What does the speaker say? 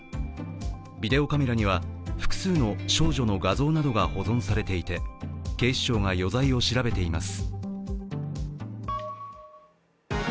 ビデオカメラには複数の少女の画像などが保存されていて警視庁が余罪を調べています。